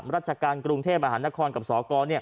ราชการกรุงเทพมหานครกับสก